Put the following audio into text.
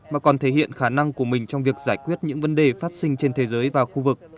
mà còn thể hiện khả năng của mình trong việc giải quyết những vấn đề phát sinh trên thế giới và khu vực